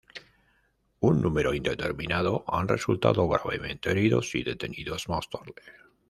Un número indeterminado han resultado gravemente heridos y detenidos más tarde.